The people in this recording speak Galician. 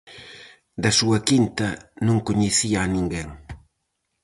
Da súa quinta non coñecía a ninguén.